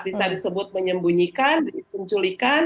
bisa disebut menyembunyikan penculikan